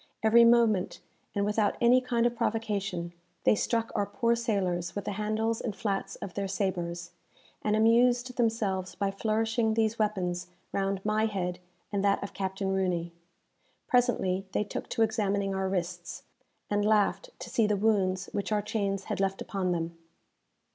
Every moment, and without any kind of provocation, they struck our poor sailors with the handles and flats of their sabres, and amused themselves by flourishing these weapons round my head and that of Captain Rooney. Presently they took to examining our wrists, and laughed to see the wounds which our chains had left upon them.